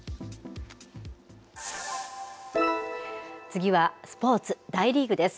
次はスポーツ、大リーグです。